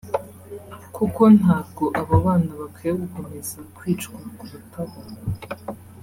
kuko ntabwo abo bana bakwiriye gukomeza kwicwa kurutaho